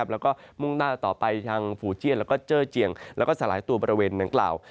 แล้วก็มุ่งหน้าต่อไปทางฝูเจียนเจ้อเจียงและสลายตัวบริเวณหนังกล่าว